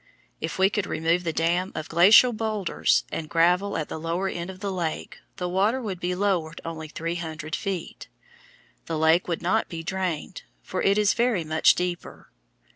If we could remove the dam of glacial boulders and gravel at the lower end of the lake, the water would be lowered only three hundred feet. The lake would not be drained, for it is very much deeper.